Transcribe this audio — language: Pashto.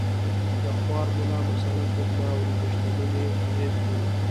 د خوار ملا مساله څوک نه اوري د شتمنۍ اغېز ښيي